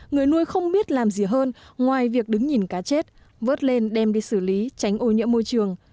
người nuôi không biết làm gì hơn ngoài việc đứng nhìn cá chết vớt lên đem đi xử lý tránh ô nhiễm môi trường